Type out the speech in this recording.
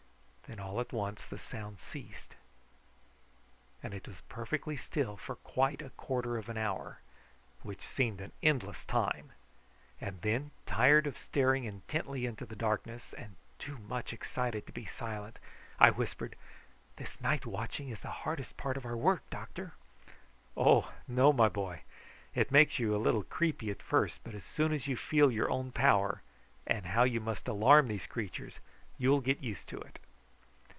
Then all at once the sound ceased, and it was perfectly still for quite a quarter of an hour, which seemed an endless time; and then, tired of staring intently into the darkness, and too much excited to be silent, I whispered: "This night watching is the hardest part of our work, doctor." "Oh! no, my boy. It makes you a little creepy at first, but as soon as you feel your own power and how you must alarm these creatures, you will get used to it."